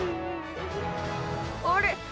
あれ？